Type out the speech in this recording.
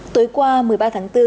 tối qua một mươi ba tháng bốn